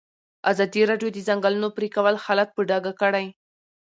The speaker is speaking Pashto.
ازادي راډیو د د ځنګلونو پرېکول حالت په ډاګه کړی.